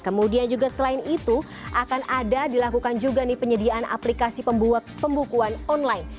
kemudian juga selain itu akan ada dilakukan juga nih penyediaan aplikasi pembukuan online